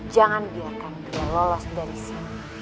jangan biarkan dia lolos dari sini